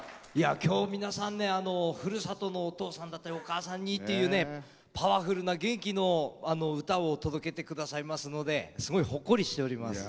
きょう、皆さんふるさとのお父さんだったりお母さんだったりっていうパワフルな元気な歌を届けてくださいますのですごいほっこりしております。